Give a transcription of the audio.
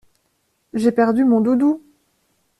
J'ai perdu mon doudou!